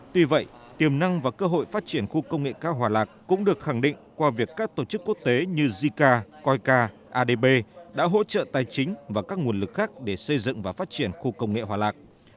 tuy vậy tiềm năng và cơ hội phát triển khu công nghệ cao hòa lạc cũng được khẳng định qua việc các tổ chức quốc tế như zika coica adb đã hỗ trợ tài chính và các nguồn lực khác để xây dựng và phát triển khu công nghệ hòa lạc